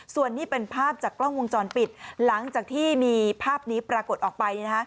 ส่วนนี้เป็นภาพจากกล้องวงจรปิดหลังจากที่มีภาพนี้ปรากฏออกไป